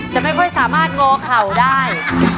ไม่ค่อยสามารถงอเข่าได้